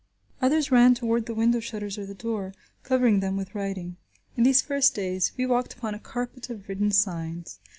Others ran toward the window shutters or the door, covering them with writing. In these first days we walked upon a carpet of written signs.